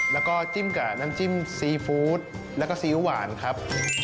แล้วก็จิ้มกับน้ำจิ้มซีฟู้ดแล้วก็ซีอิ๊วหวานครับ